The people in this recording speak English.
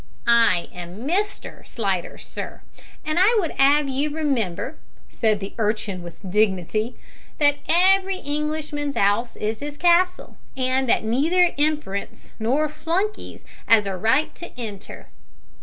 "I am Mister Slidder, sir! And I would 'ave you remember," said the urchin, with dignity, "that every Englishman's 'ouse is his castle, and that neither imperence nor flunkies 'as a right to enter."